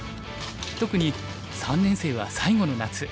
特に３年生は最後の夏。